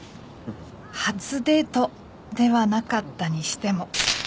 初デートではなかったにしても。